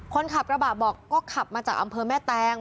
คนขับกระบะบอกก็ขับมาจากอำเภอแม่แตง